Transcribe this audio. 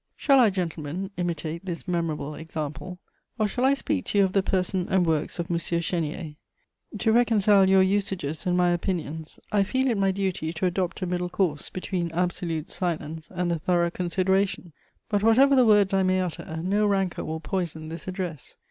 "Shall I, gentlemen, imitate this memorable example, or shall I speak to you of the person and works of M. Chénier? To reconcile your usages and my opinions, I feel it my duty to adopt a middle course between absolute silence and a thorough consideration. But, whatever the words I may utter, no rancour will poison this address.